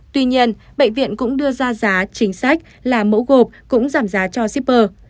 tuy nhiên bệnh viện cũng đưa ra giá chính sách là mẫu gộp cũng giảm giá cho shipper